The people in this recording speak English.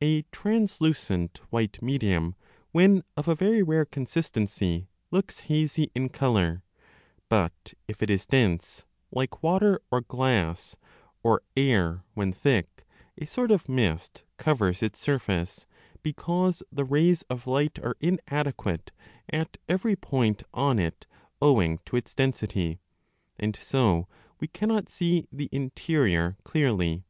A translucent white medium, when of a very rare consistency, looks hazy in colour ; but if it is dense, like water or glass, or air when 5 thick, a sort of mist covers its surface, because the rays of light are inadequate at every point on it owing to its density, and so we cannot see the interior clearly.